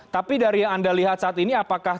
tapi dari yang anda lihat saat ini apakah